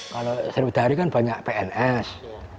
kalau seri widahari kan banyak pns